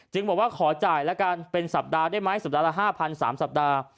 บอกว่าขอจ่ายแล้วกันเป็นสัปดาห์ได้ไหมสัปดาห์ละ๕๐๐๓สัปดาห์